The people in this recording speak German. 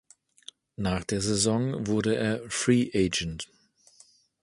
Nach der Saison wurde er Free Agent.